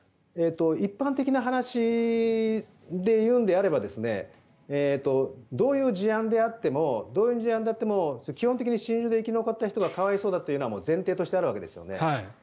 一般的な話でいうのであればどういう事案であっても基本的に心中して生き残った人が可哀想だというのがもう前提としてあるわけですね。